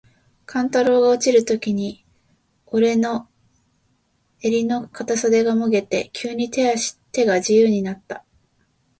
勘太郎が落ちるときに、おれの袷の片袖がもげて、急に手が自由になつた。